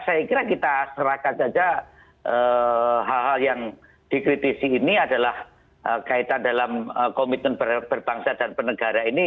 saya kira kita serahkan saja hal hal yang dikritisi ini adalah kaitan dalam komitmen berbangsa dan penegara ini